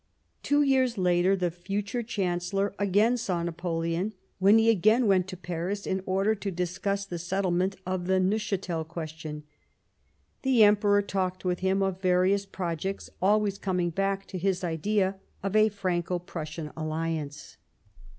Two years later the future Chancellor again saw Napoleon, when he again went to Paris in order to discuss the settlement of the Neuchatel question. The Emperor talked with him of various projects, always coming back to his idea of a Franco Prussian Alliance.